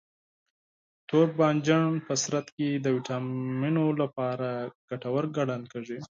توربانجان په بدن کې د ویټامینونو لپاره ګټور ګڼل کېږي.